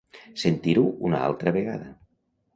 Sentir-ho una altra vegada.